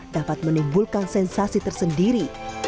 dapat menimbulkan sensasi tersendiri